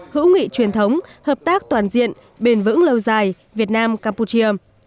hữu nghị truyền thống hợp tác toàn diện bền vững lâu dài việt nam campuchia